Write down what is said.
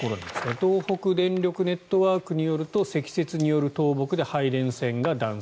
東北電力ネットワークによると積雪による倒木で配電線が断線。